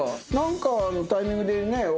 何かのタイミングでね